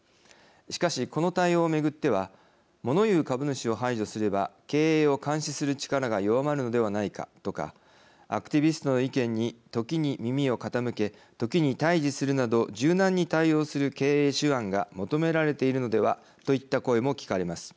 しかし、この対応を巡ってはもの言う株主を排除すれば経営を監視する力が弱まるのではないか、とかアクティビストの意見に時に耳を傾け時に対じするなど柔軟に対応する経営手腕が求められているのではといった声も聞かれます。